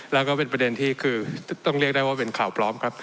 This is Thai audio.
แล้วก็เป็นประเด็นที่คือต้องเรียกได้ว่าเป็นข่าวปลอมครับ